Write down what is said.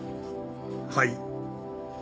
はい。